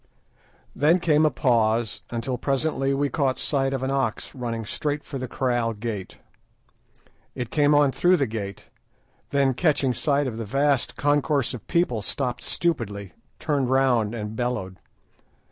Then came a pause, until presently we caught sight of an ox running straight for the kraal gate. It came on through the gate, then, catching sight of the vast concourse of people, stopped stupidly, turned round, and bellowed.